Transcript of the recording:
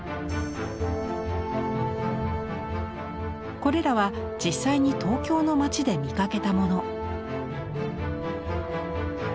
これらは実際に東京のまちで見かけたもの。